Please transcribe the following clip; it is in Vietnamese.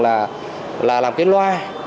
là làm cái loa